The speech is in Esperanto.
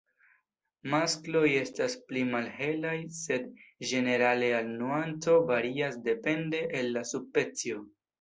Maskloj estas pli malhelaj, sed ĝenerale al nuanco varias depende el la subspecio.